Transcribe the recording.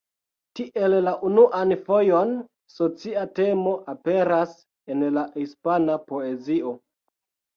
Tiel la unuan fojon socia temo aperas en la hispana poezio.